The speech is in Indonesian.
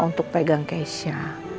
untuk pegang cash nya